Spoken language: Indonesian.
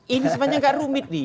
ini sebenarnya tidak rumit